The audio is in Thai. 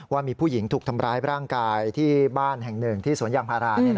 ว่ามีผู้หญิงถูกทำร้ายร่างกายที่บ้านแห่งหนึ่งที่สวนยางพารา